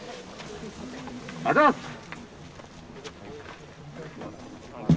ありがとうございます！